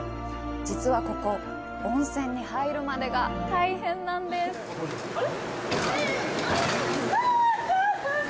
実はここ、温泉に入るまでが大変なんですあれっ？ンッ！